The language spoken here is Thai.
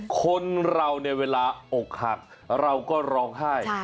คนเราเนี่ยเวลาอกหักเราก็ร้องไห้